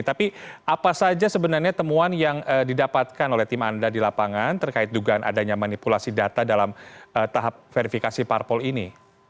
tapi apa saja sebenarnya temuan yang didapatkan oleh tim anda di lapangan terkait dugaan adanya manipulasi data dalam tahap verifikasi parpol ini